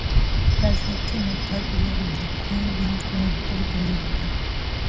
রাজলক্ষ্মী মুখ ভার করিয়া রহিলেন, হাঁ-না কোনো উত্তরই করিলেন না।